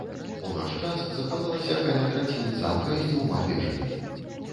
У наш час захавалася каля траціны замка з дзвюма вежамі.